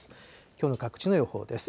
きょうの各地の予報です。